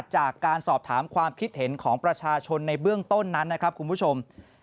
จากการสอบถามความคิดเห็นของประชาชนในเบื้องต้นนั้นนะครับคุณผู้ชม